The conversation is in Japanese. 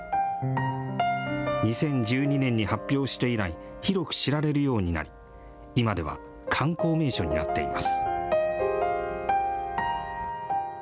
２０１２年に発表して以来、広く知られるようになり、今では観光名所になっています。